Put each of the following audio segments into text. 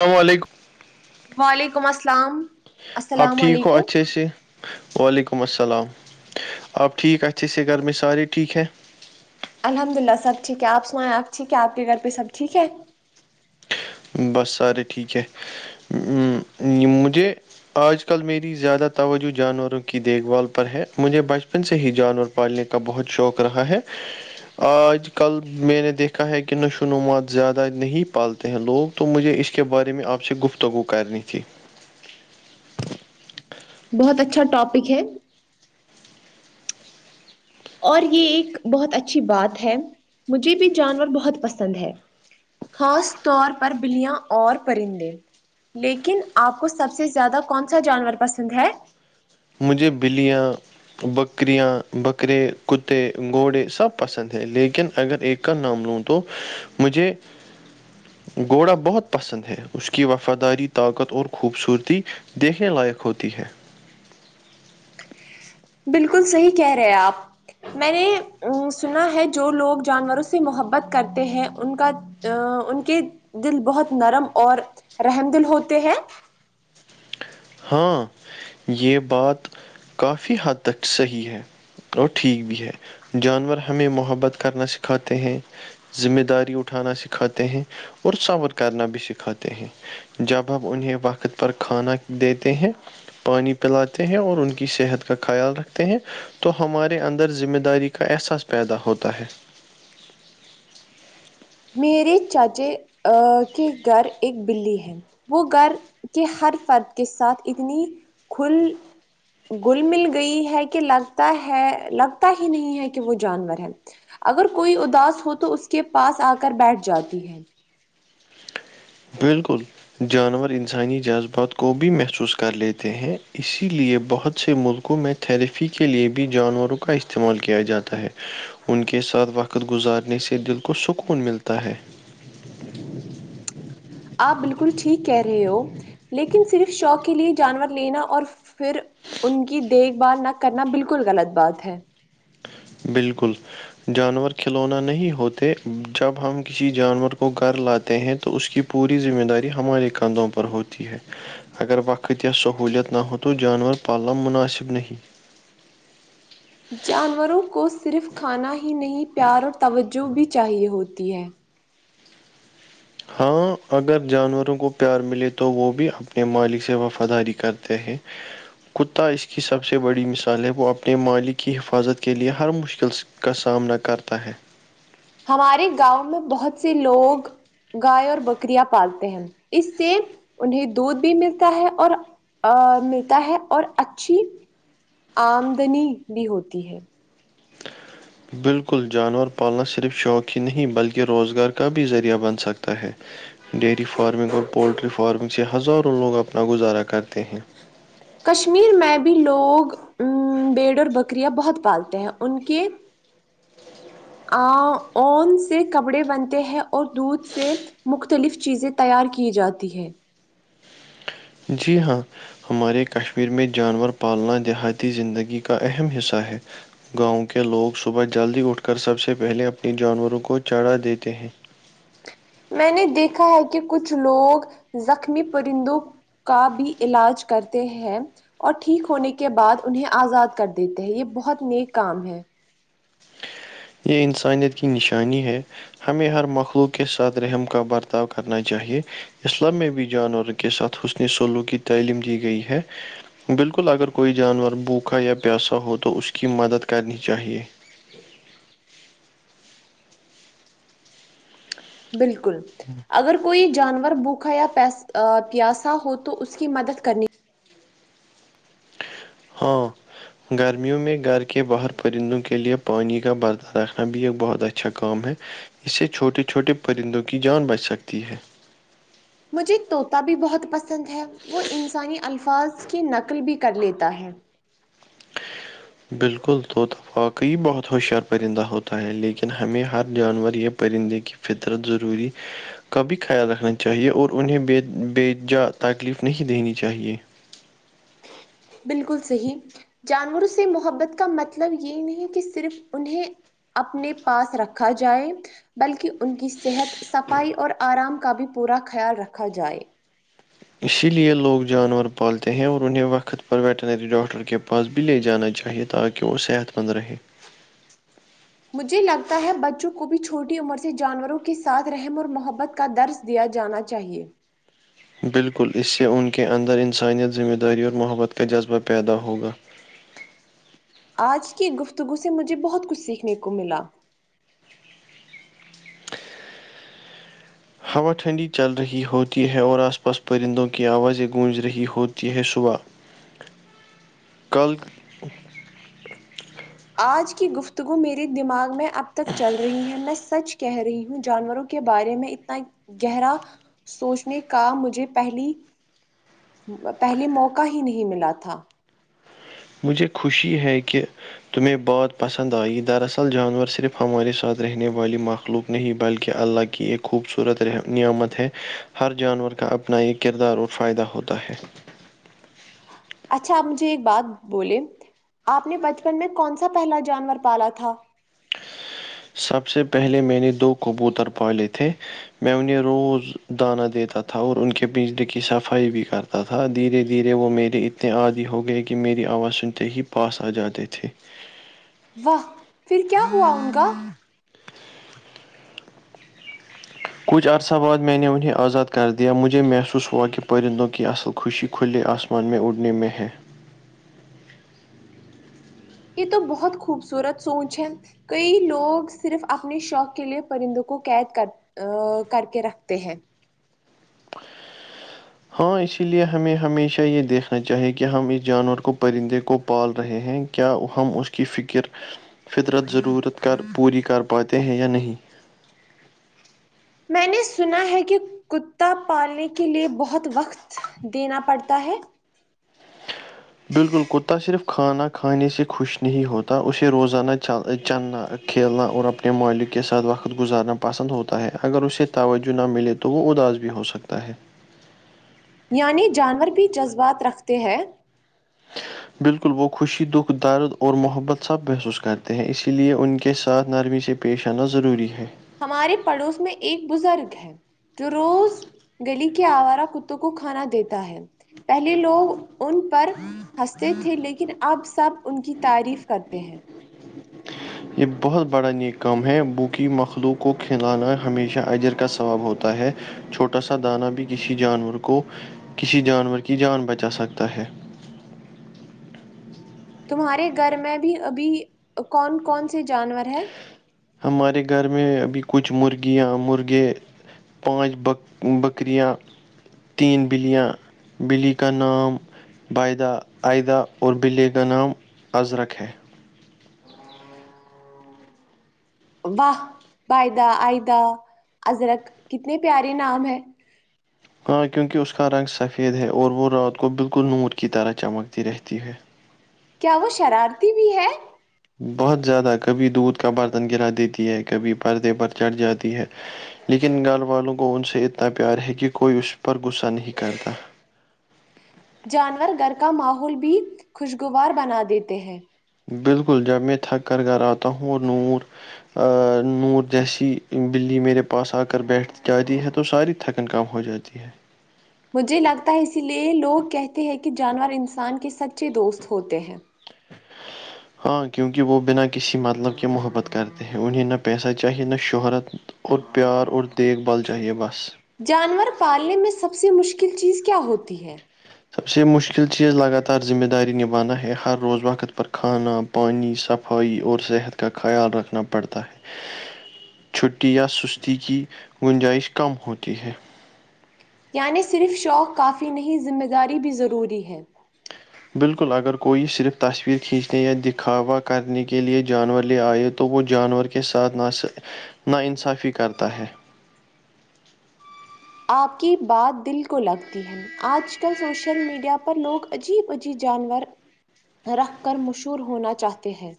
اللام علیکم وعلیکم السلام آپ السلام ٹھیک ہو علیکم اچھے سے وعلیکم السلام آپ ٹھیک اتھے سے گر میں سارے ٹھیک ہیں الحمد للہ سب ٹھیک ہے آپ سنائیں آ ٹھیک ہے آپ کے گھر پہ سب ٹھیک ہے بس سارے ٹھیک ہے مجھے آج کل میری زیادہ توجہ جانوروں کی دیکھ بھال پر ہے مجھے بچپن سے ہی جانور پالنے کا بہت شوق رہا ہے آج کل میں نے دیکھا ہے کہ نشو نمات زیادہ نہیں پالتے ہیں لوگ تو مجھے اس کے بارے میں آپ سے گفتگو کرنی تھی بہت اچھا ٹاپک ہے [inaudible] اور یہ ایک بہت اچھی بات ہے مجھے بھی جانور بہت پسند ہے خاص طور پر بلیا اور پرندے لیکن آپ کو سب سے زیادہ کون سا جانور پسند ہے مجھے بلیاں بکریاں بکرے کتے گھوڑے سب پسند ہیں لیکن اگر ایک کا نام لوں تو مجھے گھوڑا بہت پسند ہے اس کی وفاداری طاقت اور خوبصورتی دیکھنے لائق ہوتی ہے بالکل صحیح کہہ رہے آپ میں نے سنا ہے جو لوگ جانوروں سے محبت کرتے ہیں ان کا ا ان کے دل بہت نرم اور رحم دل ہوتے ہیں ہاں یہ بات کافی حد تک صحیح ہے اور ٹھیک بھی ہے جانور ہمیں محبت کرنا سکھاتے ہیں ذمہ داری اٹھانا سکھاتے ہیں اور سور کرنا بھی سکھاتے ہیں جب ہمب انہیں وقت پر کھانا دیتے ہیں پانی پلاتے ہیں اور ان کی صحت کا خیال رکھتے ہیں تو ہمارے اندر ذمہ داری کا احساس پیدا ہوتا ہے میرے چاچے کے گھر ایکک بلی ہیں وہ گھر کے ہر فرد کے ساتھ اتنی کھل گل مل گئی ہے کہ لگتا ہے لگتا ہی نہیں ہے کہ وہ جانور ہے اگر کوئی اداس ہو تو اس کے پاس آ کر بیٹھ جاتی ہے بالکل جانور انسانی جذبات کو بھی محسوس کر لیتے ہیں اسی لیے بہت سے ملکوں میں تھراپی کے لئے بھی جانوروں کا استعمال کیا جاتا ہے ان کے ساتھ وقت وقت گزارنے سے دل کو سکون ملتا ہے آپ بالکل ٹھیک کہہ رہے ہو لیکن صرف شوق کے لیے جانور لینا اور پھر ان کی دیکھ بھال نہ کرنا بالکل غلط بات ہے بالکل جانور کھلونا نہیں ہوتے جب ہم کسی جانور کو گھر لاتے ہیں تو اس کی پوری ذمہ داری ہمارے کندھوں پر ہوتی ہے اگر وقت سہولیت نہ ہو تو جانور پالن مناسب نہیں جانوروں کو صرف کھانا ہی نہیں پیار اور توجہ بھی چاہیے ہوتی ہے ہاں اگر جانوروں کو پیار ملے تو وہ بھی اپنے مالک سے وفاداری کرتے ہیں کتا اس کی سب سے بڑی مثال ہے وہ اپنے مالی کی حفاظت کے لئے ہر مشکل کا سامنا کرتا ہے ہمارے گاؤں میں بہت سے لوگ گائے اور بکریاں پالتے ہیں اس سے انہیں دودھ بھی ملتا ہے اور [unintelligible] ا ملتا ہے اور اچھی آمدنی بھی ہوتی ہے بالکل جانور پالنا صرف شوق ہی نہیں بلکہ روزگار کا بھی ذریعہ بن سکتا ہے ڈیری فارمنگ اور پولٹری فارمنگ سے ہزاروں لوگ اپنا گزارا کرتے ہیں کشمیر میں بھی لوگ بیڑ اور بکریاں بہت پالتے ہیں ان کے اون سے کپڑے بنتے ہیں اور دودھ سے مختلف چیزیں تیار کی جاتی ہے جی ہاں ہمارے کشمیر میں جانور پالنا دیہاتی زندگی کا اہم حصہ ہے گاؤں کے لوگ صبح جلدی اٹھ کر سب سے پہلے اپنی جانوروں کو چڑھا دیتے ہیں میں نے دیکھا ہے کہ کچھ لوگ زخمی پرندوں کا بھی علاج کرتے ہیں اور ٹھیک ہونے کے بعد انہیں آزاد کر دیتے ہیں یہ بہت نیک کام ہے یہ انسانیت کی نشانی ہے ہمیں ہر مخلوق کے ساتھ رحم کا برتاؤ کرنا چاہیے اسلام میں بھی جانور کے ساتھ حسنی سولو کی تعلیم دی گئی ہے بالکل اگر کوئی جانور بوکھا یا پیاسہ ہو تو اس کی مدد کرنی چاہیئے بالکل ہوں [unintelligible] اگر کوئی جانور بھوکھا یا پیاسا ہو تو اس کی مدد کرنے ہاں گرمیوں میں گھر کے باہر پرندوں کے لئے پانی کا برتاہ رکھنا بھی ایک بہت اچھا کام ہے اس سے چھوٹے چھوٹے پرندوں کی جان بچ سکتی ہے مجھے طوطا بھی بہت پسند ہے وہ انسانی الفاظ کی نقل بھی کر لیتا ہے بالکل توطفاق ہی بہت ہوشیار پرندہ ہوتا ہے لیکن ہمیں ہر جانور یہ پرندے کی فطرت ضروری کا بھی خیال رکھنا چاہیے اور انہیں بے بے جا تکلیف نہیں دینی چاہیے بالکل صحیح جانوروں سے محبت کا مطلب یہ نہیں کہ صرف انہیں اپنے پاس رکھا جائے بلکہ ان کی صحت صفائی اور آرام کا بھی پورا خیال رکھا جائے اسی لیے لوگ جانور پالتے ہیں اور انہیں وقت پر ویٹنری ڈاکٹر کے پاس ب لے جانا چاہیے تاکہ وہ صحت مند رہے [unintelligible] مجھے لگتا ہے بچوں کو بھی چھوٹی عمر سے جانوروں کے ساتھ رحم اور محبت کا درس دیا جانا چاہیے بالکل اس سے ان کے اندر انسانیت ذمہ داری اور محبت کا جذبہ پیدا ہوگا آج کی گفتگو سے مجھے بہت کچھ سیکھنے کو ملا ہوا ٹھنڈی چل رہی ہوتی ہے اور آس پاس پرندوں کی آوازیں گونج رہی ہوتی ہے صبح کل آج کی گفتگو میرے دماغ میں اب تک چل رہی ہے میں سچ کہہ رہی ہوں جانوروں کے بارے میں اتنا گہرا سوچنے کا مجھے پہلی پہلے موقع ہی نہیں ملا تھا مجھے خوشی ہے کہ تمہیں بات پسند آئی دراصل جانور صرف ہمارے ساتھ رہنے والی مخلوق نہیں بلکہ اللہ کی ایک خوبصورت نعمت ہے ہر جانور کا اب اپنا یہ کردار اور فائدہ ہوتا ہے اچھا آپ مجھے ایک بات بولے آپ نے بچپن میں کون سا پہلا جانور پالا تھا سب سے پہلے میں نے دو کبوتر پاالے تھے میں انہیں روز دانہ دیتا تھا اور ان کے بجلی کی صفائی بھی کرتا تا تھا دھیرے دھیرے وہ میرے اتنے عادی ہو گئے کہ میری آواز سنتے ہی پاس آ جاتے تھے واہ پھر کیا ہوا ان کا کچھ عرصہ بعد میں نے انہیں آزاد کر دیا مجھے محسوس ہوا کہ پرندوں کی اصل خوشی کھلے آسمان میں اڑنے میں ہے یہ تو بہت خوبصورت سونچ ہے کئی لوگ صرف اپنے شوق کے لیے پرندوں کو قید کرتے ا کر کے رکھتے ہیں ہاں اسی لیے ہمیں ہمیشہ یہ دیکھنا چاہیے کہ ہم اس جانور کو پرندے کو پال رہے ہیں کیا ہم اس کی فکر فطرت ضرورت کر پوری کر پاتے ہیں یا نہیں میں نے سنا ہے کہ کتا پالنے کے لیے بہت وقت دینا پڑتا ہے بالکل کتا صرف کھانا کھانے سے خوش نہیں ہوتا اسے روزانہ چ چلنا کھیلنا اور اپنے مالک کے ساتھ وقت گزارنا پسند ہوتا ہے اگر اسے توجہ نہ ملے تو تو وہ اداس بھی ہو سکتا ہے یعنی جانور بھی جذبات رکھتے ہیں [unintelligible] بالکل وہ خوشی دکھ درد اور محبت سب محسوس کرتے ہیں اسی لیے ان کے ساتھ نرمی سے پیش آنا ضروری ہے ہمارے پڑوس میں ایک بزرگ ہے جو روز گلی کے آوارہ کتوں کو کھانا دیتا ہے پہلے لوگ ان پر ہنستے تھے لیکن اب سب ان کی تعریف کرتے ہیں یہ بہت بڑا نیک کام ہے بوکی مخلوق کو کھلانا ہمیشہ اجر کاا ثواب ہوتا ہے چھوٹا سا دانا بھی کسی جانور کو کسی جانور کی جان بچا سکتا ہے تمہارے گھر میں بھی ابھی کون کون سے جانور ہیں ہمارے گھر میں ابھی کچھ مرغیاں مرغے پانچ ب بکریں تین بلیاں بلی کا نام بدہ آدہ اور بے کا نام اذرک ہے واہ بائدہ آئدہ ازرک کتنے پیارے نام ہے ہاں کیونکہ اس کا رنگ سفیید ہے اور وہ رات کو بالکل نور کی طرح چمکتی رہتیی ہے کیا وہ شرارتی بھی ہے بہت زیادہ کبھی دودھ کا برتن گرا دیتی ہے کبھی پردے پر چڑھ جاتی ہے لیکن گھر والوں کو ان سے اتنا پیار ہے کہ کوئی اس پر غصہ نہیں کرتا جانور گھر کا ماحول بھی خوشگوار بنا دیتے ہیں بالکل جب میں تھک کر گھر آتا ہوں اور نور نور جیسی بلی میرے پاس آ کر بیٹھ جاتی ہے تو ساری تھکن کم ہو جاتی ہے مجھے لگتا ہے اسی لیے لوگ کہتے ہیں کہ جانور انسان کے سچے دوست ہوتے ہیں [inaudible] ہاں کیونکہ وہ بنا کسی مطلب کے محبت کرتے ہیں انہیں نہ پیسہ چاہیے نہ شہرت اور پیار اور دیکھ بھال چاہیے بس جانور پالنے میں سب سے مشکل چیز کیا ہوتی ہے سب سے مشکل چیز لگاتار ذمہ داری نبھانا ہے ہر روز وقت پر کھانا پانی صفائی اور صحت کا خیال رکھنا پڑتا ہے چھٹی یا سستی کی گنجائش کم ہوتی ہے یعنی صرف شوق کافی نہیں ذمہ داری بھی ضروری ہے بالکل اگر کوئی صرف تصویر کھینچنے یا دکھاوا کرنے کے لیے جانور لے آئے تو تو وہ جانور کے ساتھ نا انصافی کرتا ہے آپ کی بات دل کو لگتی ہے آج کل سوشل میڈیا پر لوگ عجیب عجیب جانور رکھ کر مشہور ہونا چاہتے ہیں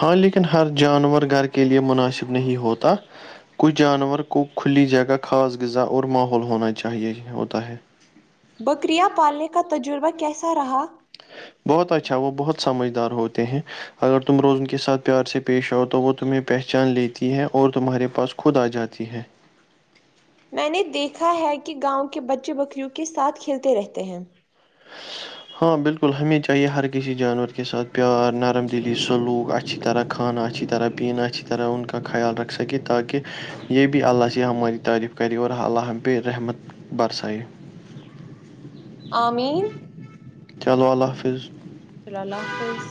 ہاں لیکن ہر جانور گھر کے لئے مناسب نہیں ہوتا کچھ جانور کو کھلی جگہ خاص غذا اور ماحول ہونا چاہیے ہوتا ہے بکریاں پالنے کا تجربہ کیسا رہا بہت اچھا وہ بہت سمجھدار ہوتے ہیں اگر تم روز ان کے ساتھ پیار سے پیش آؤ تو وہ تمہیں پہچان لیتی ہے اور تمہارے پاس خود آ جاتی ہے میں نے دیکھا ہے کہ گاؤں کے بچے بکریوں کے ساتھ کھیلتے رہتے ہیں ا ہاں بالکل ہمیش چاہیے ہر کسی جانور کے ساتھ پیار نرم دلی سلوک اچھی طرح کھانا اچھی طرح پینا اچھی طرح ان کا خیال رکھ سکے تاکہ یہ بھی اللہ سے ہماری تعریف کریور اللہحمب رحمت برسائی آین چلو اللہ حافظ ص اللہ حافظ